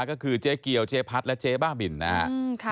ก็คือเจ๊เกียวเจ๊พัดและเจ๊บ้าบินนะครับ